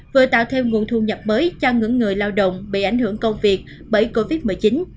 vừa tạo thêm nguồn thu nhập mới cho những người lao động bị ảnh hưởng công việc bởi covid một mươi chín